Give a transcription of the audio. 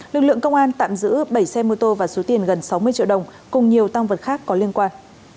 lực lượng công an tạm giữ bảy xe mô tô và số tiền gần sáu mươi triệu đồng cùng nhiều tăng vật khác có liên quan